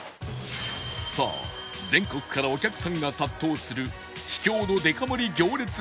さあ全国からお客さんが殺到する秘境のデカ盛り行列グルメとは？